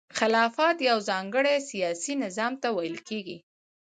خلافت یو ځانګړي سیاسي نظام ته ویل کیږي.